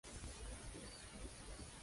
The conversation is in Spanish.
La propuesta artística de Mr.